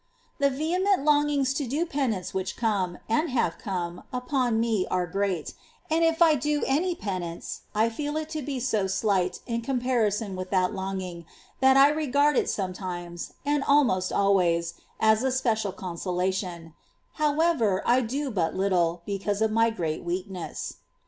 11. The vehement longings to do penance which ^ come, and have come, upon me are great ; and if I do any penance, I feel it to be so slight in comparison with that longing, that I regard it sometimes, and almost always, as a special consolation ; however, I do but little, because of my great weakness.